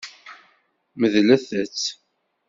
Medlet-tt.